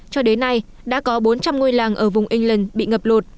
cho đến nay đã có bốn trăm linh ngôi làng ở vùng england bị ngập lụt